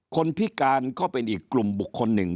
พิการก็เป็นอีกกลุ่มบุคคลหนึ่ง